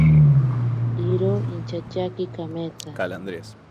Iro inchatyaki kameetsa.